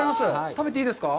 食べていいですか？